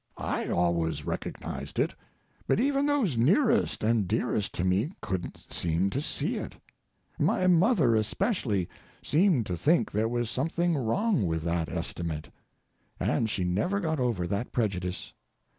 I always recognized it. But even those nearest and dearest to me couldn't seem to see it. My mother, especially, seemed to think there was something wrong with that estimate. And she never got over that prejudice.